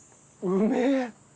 うめえ！